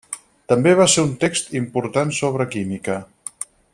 També va ser un text important sobre química.